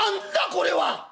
これは！」。